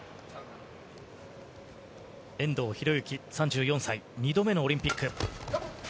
遠藤大由３４歳、２度目のオリンピック。